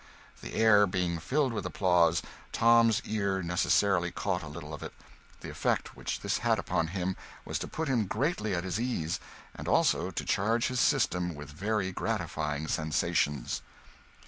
The air being filled with applause, Tom's ear necessarily caught a little of it. The effect which this had upon him was to put him greatly at his ease, and also to charge his system with very gratifying sensations.